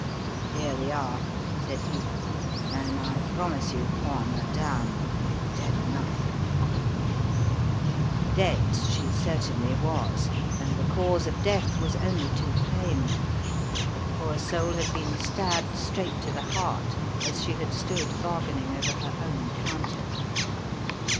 "Here we are," said he, "and I promise you poor Madame will be dead enough!" The Threads of Chance 61 Dead she certainly was, and the cause of death was only too plain. The poor soul had been stabbed straight to the heart as she had stood bargaining over her own counter.